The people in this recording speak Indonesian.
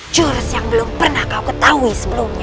george yang belum pernah kau ketahui sebelumnya